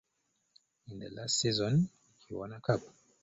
In his last season he won a cup.